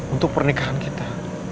untuk pernikahan kita